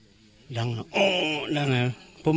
พันให้หมดตั้ง๓คนเลยพันให้หมดตั้ง๓คนเลย